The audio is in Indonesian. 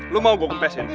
lo mau gue kepesin